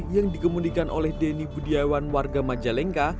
yang dikemudikan oleh denny budiawan warga majalengka